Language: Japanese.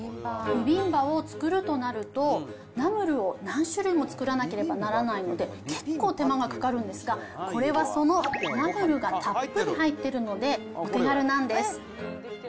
ビビンバを作るとなると、ナムルを何種類も作らなければならないので、結構手間がかかるんですが、これはそのナムルがたっぷり入ってるので、お手軽なんです。